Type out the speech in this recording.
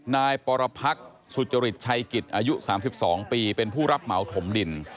นายปรพักษ์สุจริตชัยกิจอายุ๓๒ปีเป็นผู้รับเหมาถมดิน